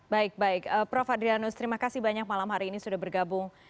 baik baik prof adrianus terima kasih banyak malam hari ini sudah bergabung